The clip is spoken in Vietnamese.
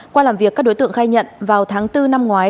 qua làm việc các đối tượng khai nhận vào tháng bốn năm ngoái